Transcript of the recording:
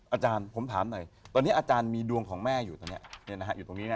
อาจารย์ผมถามหน่อยตอนนี้มีดวงของแม่อยู่ตรงนี้